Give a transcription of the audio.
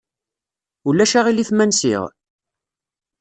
Ulac aɣilif ma nsiɣ?